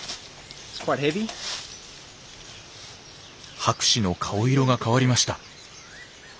博士の顔色が変わりました。